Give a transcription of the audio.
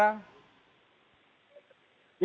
ya dan juga untuk menurut saya itu adalah hal yang sangat penting